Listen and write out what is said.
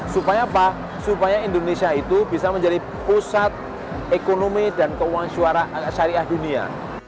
supaya apa supaya indonesia itu bisa menjadi pusat ekonomi dan keuangan suara syariah dunia